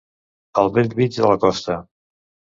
Al bell mig de la costa.